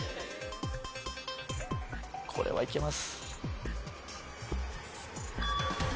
これはいけます。